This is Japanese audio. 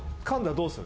「どうする？」